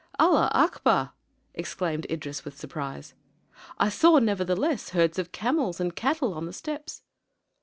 "Allah akbar!" exclaimed Idris with surprise, "I saw nevertheless herds of camels and cattle on the steppes."